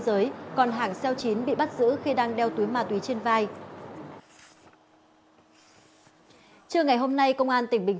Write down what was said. giới còn hàng xeo chín bị bắt giữ khi đang đeo túi ma túy trên vai trưa ngày hôm nay công an tỉnh bình